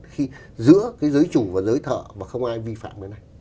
khi giữa giới chủ và giới thợ mà không ai vi phạm cái này